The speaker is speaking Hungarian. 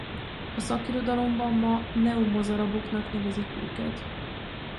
A szakirodalomban ma neo-mozaraboknak nevezik őket.